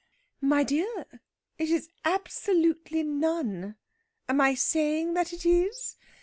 "My dear, it is absolutely none. Am I saying that it is?